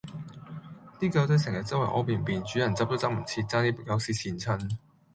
啲狗仔成日周圍痾便便，主人執都執唔切，差啲比狗屎跣親